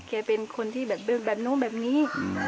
แกเป็นคนที่แบบนู้นแบบนี้